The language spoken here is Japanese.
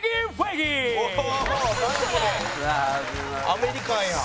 アメリカンや。